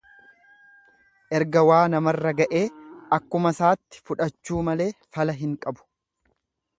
Erga waa namarra ga'ee akkumasaatti fudhachuu malee fala hin qabu.